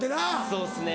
そうっすね。